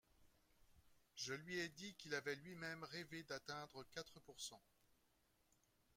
Je lui ai dit qu’il avait lui-même rêvé d’atteindre quatre pourcent.